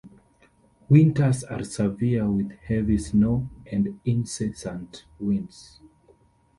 Winters are severe with heavy snow and incessant winds.